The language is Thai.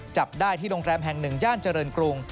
จับได้ที่โรงแรมแห่งหนึ่งย่านเจริญกรุง